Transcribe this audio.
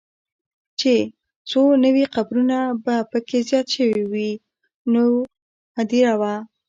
چې څو نوي قبرونه به پکې زیات شوي وو، نوې هدیره وه.